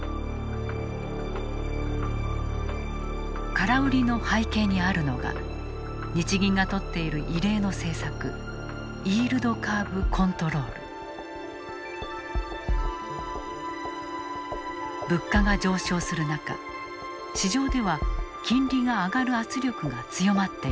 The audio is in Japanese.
空売りの背景にあるのが日銀がとっている異例の政策物価が上昇する中市場では金利が上がる圧力が強まっている。